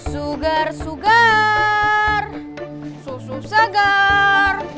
sugar sugar susu segar